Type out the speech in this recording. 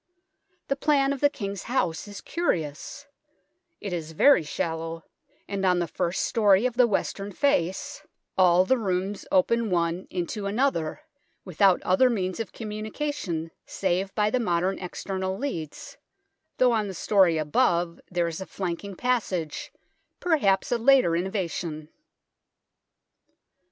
The plan of the King's House is curious ; it is very shallow, and on the first storey of the western face all the THE KING'S HOUSE 121 rooms open one into another, without other means of communication save by the modern external leads, though on the storey above there is a flanking passage, perhaps a later innovation.